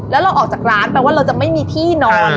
แล้วเราออกจากร้านแปลว่าเราจะไม่มีที่นอน